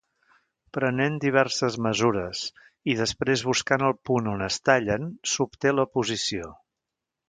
Prenent diverses mesures i després buscant el punt on es tallen, s'obté la posició.